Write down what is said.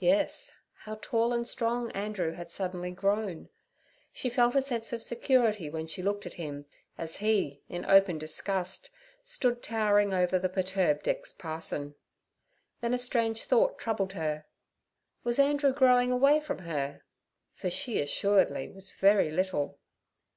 Yes, how tall and strong Andrew had suddenly grown! She felt a sense of security when she looked at him as he, in open disgust, stood towering over the perturbed ex parson. Then a strange thought troubled her: was Andrew growing away from her? for she assuredly was very little.